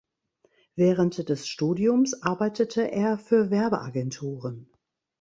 Während des Studiums arbeitete er für Werbeagenturen.